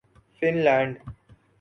fun land